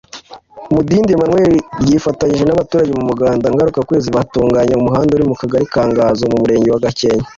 Mudidi Emmanuel ryifatanyije n’abaturage mu muganda ngarukakwezi batunganya umuhanda uri mu Kagali ka Nganzo Murenge wa Gakenke